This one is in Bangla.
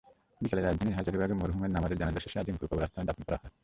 বিকেলে রাজধানীর হাজারীবাগে মরহুমের নামাজে জানাজা শেষে আজিমপুর কবরস্থানে দাফন করা হয়।